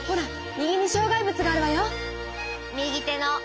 右にしょう害物があるわよ！